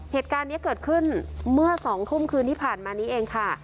เหตุการณ์นี้เกิดขึ้นเมื่อ๒ทุ่มคืนที่ผ่านมานี้เองค่ะ